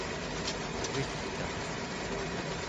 tevigtaq